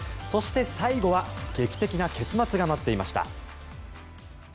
そして、最後は劇的な結末が待っていました。